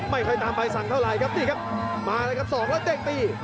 ไม่ค่อยตามใบสั่งเท่าไหร่ครับนี่ครับมาเลยครับสองแล้วเด้งตี